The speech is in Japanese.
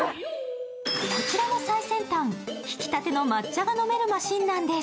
こちらも最先端、ひきたての抹茶が飲めるマシンなんです。